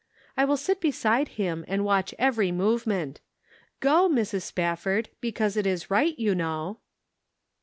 I will sit beside him and watch every move ment. G o, Mrs. Spafford, because it is right, you know."